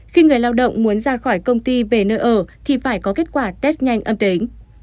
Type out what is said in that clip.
khi người lao động muốn ra khỏi công ty về nơi ở thì phải có kết quả test nhanh âm tính